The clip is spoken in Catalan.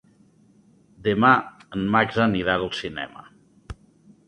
Demà en Max irà al cinema.